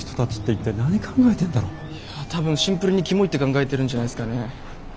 多分シンプルにキモいって考えてるんじゃないすかね？